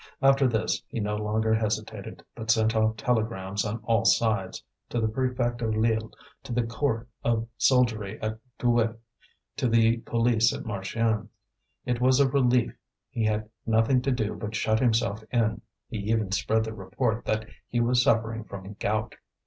After this, he no longer hesitated, but sent off telegrams on all sides to the prefect of Lille, to the corps of soldiery at Douai, to the police at Marchiennes. It was a relief; he had nothing to do but shut himself in; he even spread the report that he was suffering from gout.